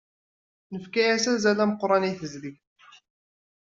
Nefka-as azal ameqran i tezdeg.